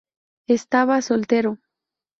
Estaba soltero.